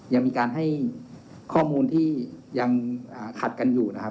ยังมีการให้ข้อมูลที่ยังขัดกันอยู่นะครับ